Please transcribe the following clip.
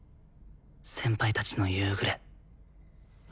先輩たちの夕暮れ。